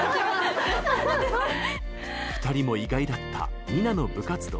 ２人も意外だったＭＩＮＡの部活動。